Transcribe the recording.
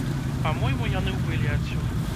Па-мойму, яны ўбылі адсюль.